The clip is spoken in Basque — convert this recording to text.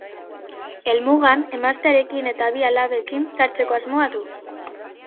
Helmugan emaztearekin eta bi alabekin sartzeko asmoa du.